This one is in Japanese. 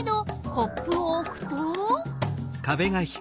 コップをおくと。